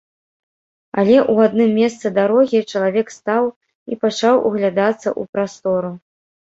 Але ў адным месцы дарогі чалавек стаў і пачаў углядацца ў прастору.